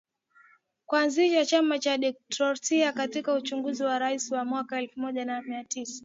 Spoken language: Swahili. kuanzisha chama cha Demokratiki Katika uchaguzi wa Urais wa mwaka elfu moja mia tisa